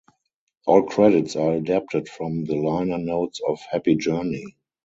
All credits are adapted from the liner notes of "Happy Journey".